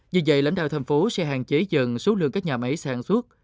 vì vậy lãnh đạo thành phố sẽ hạn chế dần số lượng các nhà máy sản xuất